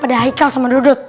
padahal ikal sama duduk